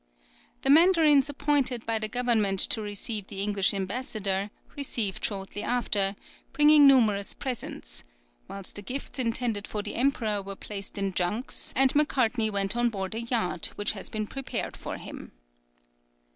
The mandarins appointed by the government to receive the English ambassador, arrived shortly after, bringing numerous presents; whilst the gifts intended for the emperor were placed in junks, and Macartney went on board a yacht which had been prepared for him.